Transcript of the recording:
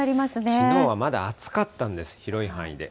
きのうはまだ暑かったんです、広い範囲で。